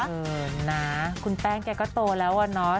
เออนะคุณแป้งแกก็โตแล้วอะเนาะ